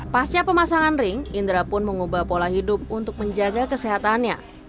pasca pemasangan ring indra pun mengubah pola hidup untuk menjaga kesehatannya